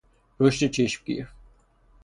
رشد چشمگیر